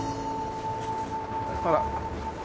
ほら。